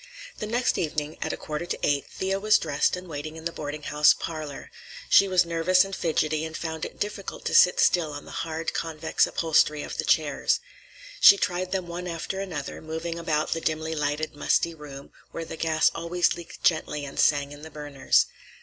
The next evening at a quarter to eight Thea was dressed and waiting in the boarding house parlor. She was nervous and fidgety and found it difficult to sit still on the hard, convex upholstery of the chairs. She tried them one after another, moving about the dimly lighted, musty room, where the gas always leaked gently and sang in the burners.